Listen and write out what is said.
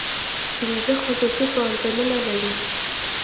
پنځه خصوصي پوهنتونونه لري.